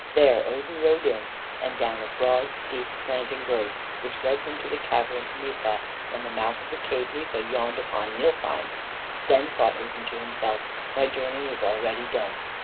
There Odin rode in and down a broad, steep, slanting road which led him to the cavern Gnipa, and the mouth of the cavern Gnipa yawned upon Niflheim. Then thought Odin to himself, "My journey is already done."